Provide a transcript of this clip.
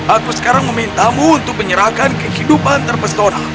aku sekarang memintamu untuk menyerahkan kehidupan terpesona